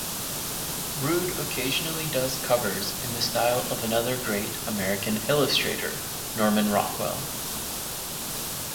Rude occasionally does covers in the style of another great American illustrator, Norman Rockwell.